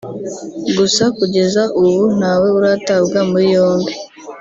gusa kugeza ubu ntawe uratabwa muri yombi